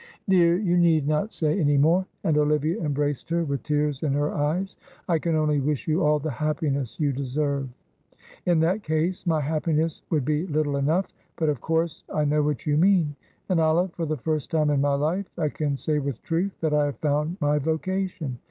"Dear, you need not say any more;" and Olivia embraced her with tears in her eyes. "I can only wish you all the happiness you deserve." "In that case my happiness would be little enough; but, of course, I know what you mean. And, Olive, for the first time in my life I can say with truth that I have found my vocation.